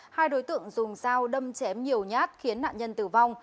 hai đối tượng dùng dao đâm chém nhiều nhát khiến nạn nhân tử vong